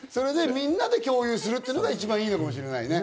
みんなで共有するっていうのがいいのかもしれないね。